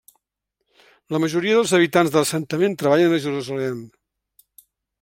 La majoria dels habitants de l'assentament treballen a Jerusalem.